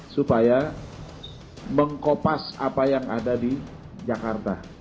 supaya mengkopas apa yang ada di jakarta